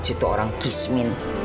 situ orang kismin